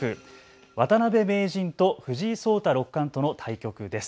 渡辺名人と藤井聡太六冠との対局です。